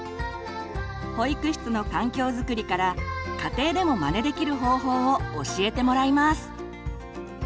保育室の環境づくりから家庭でもまねできる方法を教えてもらいます。